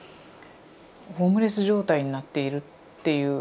ホームレス状態になっているっていう。